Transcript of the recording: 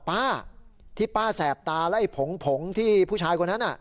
ป้าที่ป้าแสบตาแล้วไอ้ผงผงที่ผู้ชายคนนั้น